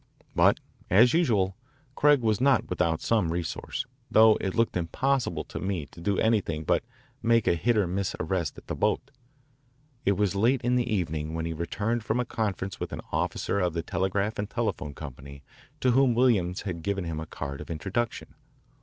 But, as usual, Craig was not without some resource, though it looked impossible to me to do anything but make a hit or miss arrest at the boat. It was late in the evening when he returned from a conference with an officer of the Telegraph and Telephone Company to whom Williams had given him a card of introduction.